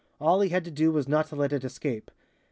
All he had to do was not to let it escape.